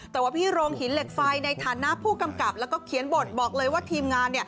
แต่ว่าพี่โรงหินเหล็กไฟในฐานะผู้กำกับแล้วก็เขียนบทบอกเลยว่าทีมงาน